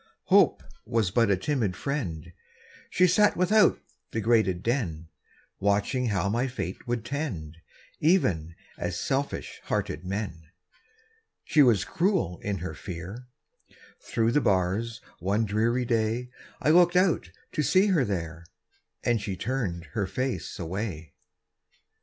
Hope Was but a timid friend; She sat without the grated den, Watching how my fate would tend, Even as selfish hearted men. She was cruel in her fear; Through the bars one dreary day, I looked out to see her there, And she turned her face away!